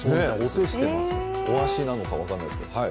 お足なのか、分からないですけど。